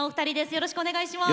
よろしくお願いします。